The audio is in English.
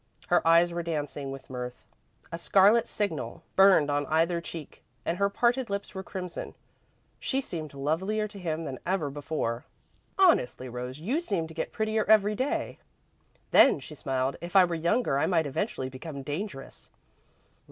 Her eyes were dancing with mirth, a scarlet signal burned on either cheek, and her parted lips were crimson. She seemed lovelier to him than ever before. "Honestly, Rose, you seem to get prettier every day." "Then," she smiled, "if I were younger, I might eventually become dangerous."